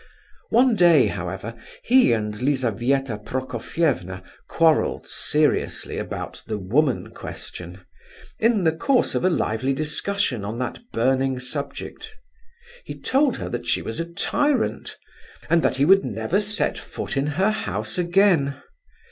One day, however, he and Lizabetha Prokofievna quarrelled seriously about the "woman question," in the course of a lively discussion on that burning subject. He told her that she was a tyrant, and that he would never set foot in her house again.